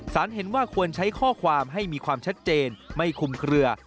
เห็นว่าควรใช้ข้อความให้มีความชัดเจนไม่คุมเคลือ